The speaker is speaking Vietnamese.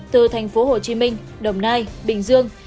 từ tp hcm đồng nai bình dương